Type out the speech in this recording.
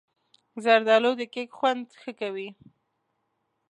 زردالو د کیک خوند ښه کوي.